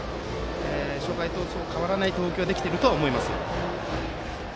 初回とそう変わらない投球ができていると思います。